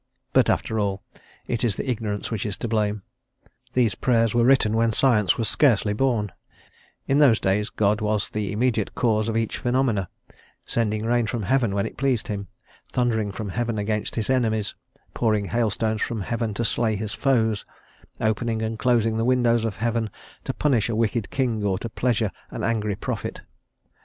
But, after all, it is the ignorance which is to blame: these Prayers were written when science was scarcely born; in those days God was the immediate cause of each phenomena, sending rain from heaven when it pleased him, thundering from heaven against his enemies, pouring hailstones from heaven to slay his foes, opening and closing the windows of heaven to punish a wicked king or to pleasure an angry prophet.